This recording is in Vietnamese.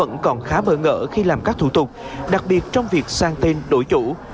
các thủ tục còn khá mơ ngỡ khi làm các thủ tục đặc biệt trong việc sang tên đổi chủ